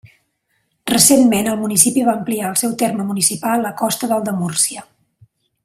Recentment el municipi va ampliar el seu terme municipal a costa del de Múrcia.